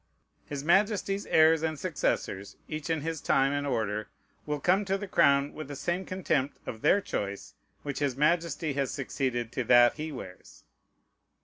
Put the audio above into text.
His Majesty's heirs and successors, each in his time and order, will come to the crown with the same contempt of their choice with which his Majesty has succeeded to that he wears.